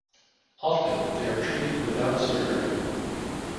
Often, they are treated without surgery.